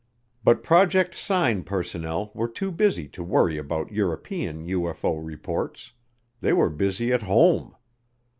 But Project Sign personnel were too busy to worry about European UFO reports, they were busy at home.